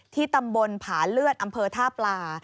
ตำบลผาเลือดอำเภอท่าปลา